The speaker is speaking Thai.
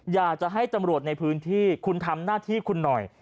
อยากจะให้ตำรวจในพื้นที่คุณทำหน้าที่คุณหน่อย